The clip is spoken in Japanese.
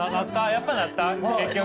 やっぱなった？